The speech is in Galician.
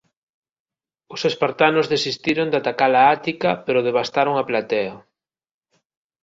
Os espartanos desistiron de atacar a Ática pero devastaron a Platea.